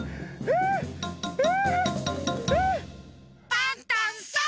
パンタンさん！